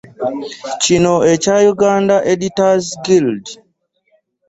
Kino ekya ‘Uganda Editors' Guild